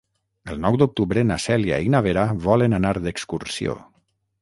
El nou d'octubre na Cèlia i na Vera volen anar d'excursió.